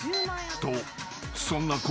［とそんな昴